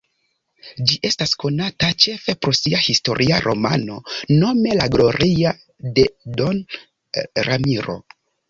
Ĝi estas konata ĉefe pro sia historia romano nome "La gloria de don Ramiro".